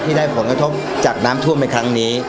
ที่ได้ผลกระทบจากน้ำทั่วไปครั้งนี้